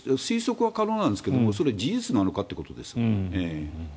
推測は可能なんですが事実なのかということです。